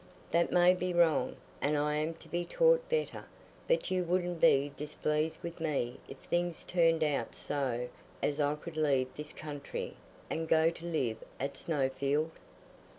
That may be wrong, and I am to be taught better. But you wouldn't be displeased with me if things turned out so as I could leave this country and go to live at Snowfield?"